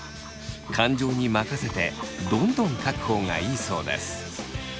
感情に任せてどんどん書く方がいいそうです。